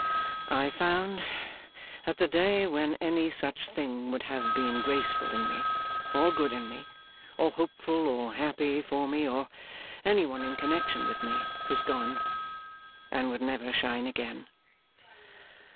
'I found that the day when any such thing would have been graceful in me, or good in me, or hopeful or happy for me or any one in connection with me, was gone, and would never shine again.